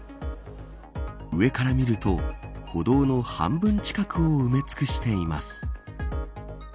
上から見ると歩道の半分近くを埋め尽くしています。